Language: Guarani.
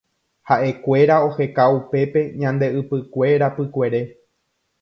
Haʼekuéra oheka upépe ñande ypykue rapykuere.